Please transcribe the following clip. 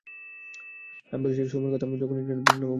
আমি বলছি সেই সময়ের কথা, যখন ইন্টারনেট নামের বস্তুটি অনাবিষ্কৃত ছিল।